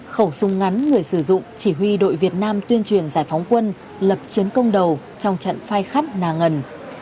khẩu súng ngắn người sử dụng chỉ huy đội việt nam tuyên truyền giải phóng quân lập chiến công đầu trong trận phai khắt nà ngần